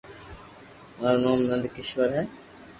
مارو نوم نند ڪآݾور ھي